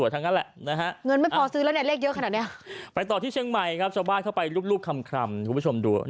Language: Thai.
แต่เลขสวยทั้งนั้นแหละนะฮะ